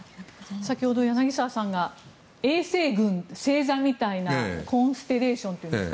先ほど、柳澤さんが衛星群、星座みたいなコンステレーションですか。